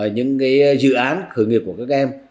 những dự án khởi nghiệp của các em